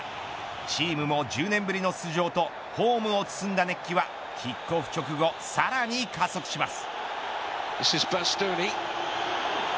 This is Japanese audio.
チームも１０年ぶりの出場とホームを包んだ熱気はキックオフ直後さらに加速します。